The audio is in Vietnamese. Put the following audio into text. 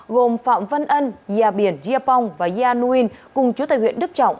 gồm phạm văn ân gia biển gia pong và gia nuyên cùng chú tài huyện đức trọng